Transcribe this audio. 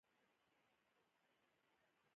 دا برخې به یې بزګرانو ته د کرلو لپاره ورکولې.